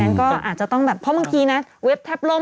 งั้นก็อาจจะต้องแบบเพราะบางทีนะเว็บแทบล่ม